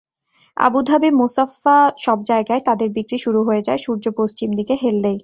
আবুধাবি-মোসাফফা—সব জায়গায় তাদের বিক্রি শুরু হয়ে যায় সূর্য পশ্চিম দিকে হেললেই।